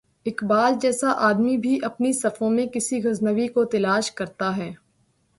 اقبال جیسا آدمی بھی اپنی صفوں میں کسی غزنوی کو تلاش کرتا ہے۔